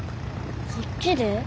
こっちで？